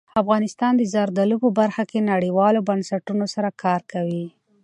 افغانستان د زردالو په برخه کې نړیوالو بنسټونو سره کار کوي.